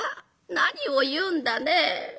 「何を言うんだね。